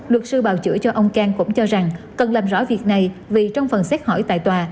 luật sư bào chữa cho ông cang cũng cho rằng cần làm rõ việc này vì trong phần xét hỏi tại tòa